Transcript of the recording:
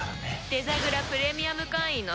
デザグラプレミアム会員の証しよ。